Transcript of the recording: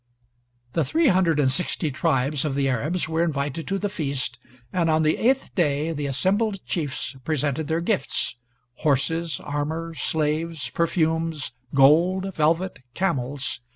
[The three hundred and sixty tribes of the Arabs were invited to the feast, and on the eighth day the assembled chiefs presented their gifts horses, armor, slaves, perfumes, gold, velvet, camels.